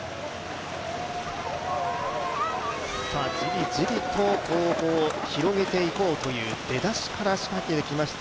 じりじりと後方を広げていこうという出だしから仕掛けてきました